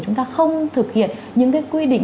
chúng ta không thực hiện những quy định